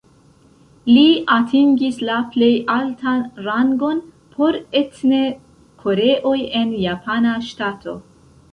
Li atingis la plej altan rangon por etne koreoj en japana ŝtato.